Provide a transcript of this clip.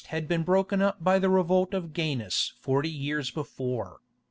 had been broken up by the revolt of Gainas forty years before.